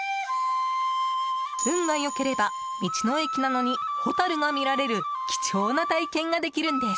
運が良ければ道の駅なのにホタルが見られる貴重な体験ができるんです。